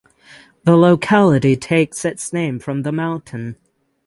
The locality takes its name from the mountain.